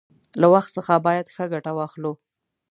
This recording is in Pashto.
له وخت څخه باید ښه گټه واخلو.